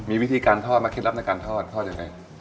มีวิธีการทอดมาเคล็ดลับในการทอดทอดยังไง